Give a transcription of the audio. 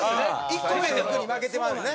１個目の欲に負けてまうんやね。